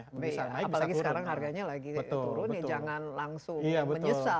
apalagi sekarang harganya lagi turun ya jangan langsung menyesal